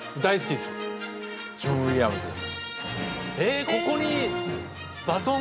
ジョン・ウィリアムズ。え！